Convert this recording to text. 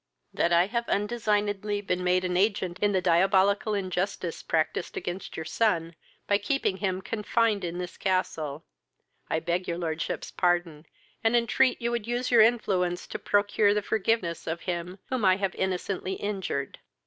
"That I have undesignedly been made an agent in the diabolical injustice practised against your son, by keeping him confined in this castle, I beg your lordship's pardon, and entreat you would use your influence to procure the forgiveness of him whom I have innocently injured.